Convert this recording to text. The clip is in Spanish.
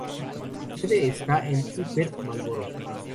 Su sede está en Upper Marlboro.